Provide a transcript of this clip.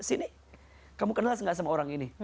sini kamu kenal nggak sama orang ini